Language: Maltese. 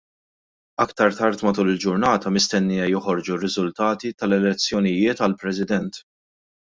Aktar tard matul il-ġurnata mistennija joħorġu r-riżultati tal-elezzjonijiet għall-President.